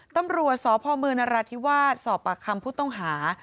ตำรวจสพมนราธิวาสสปคพุทธงหา